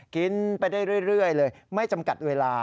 กินไปได้เรื่อยเลยไม่จำกัดเวลา